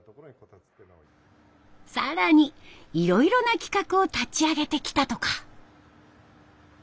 更にいろいろな企画を立ち上げてきたとか。